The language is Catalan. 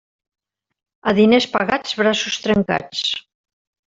A diners pagats, braços trencats.